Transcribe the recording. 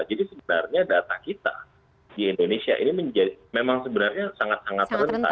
jadi sebenarnya data kita di indonesia ini memang sebenarnya sangat sangat rentan